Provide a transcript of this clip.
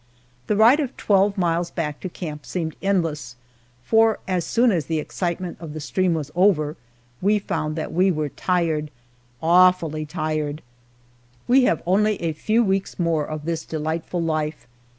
The ride of twelve miles back to camp seemed endless, for as soon as the excitement of the stream was over we found that we were tired awfully tired. We have only a few weeks more of this delightful life.